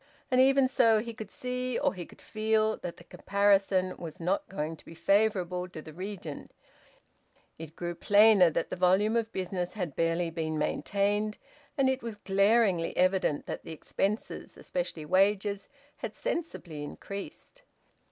And even so, he could see, or he could feel, that the comparison was not going to be favourable to the regent. It grew plainer that the volume of business had barely been maintained, and it was glaringly evident that the expenses, especially wages, had sensibly increased.